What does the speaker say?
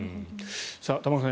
玉川さん